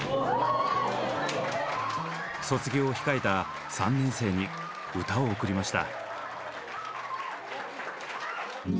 卒業を控えた３年生に歌を贈りました。